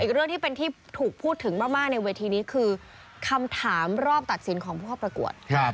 อีกเรื่องที่เป็นที่ถูกพูดถึงมากในเวทีนี้คือคำถามรอบตัดสินของผู้เข้าประกวด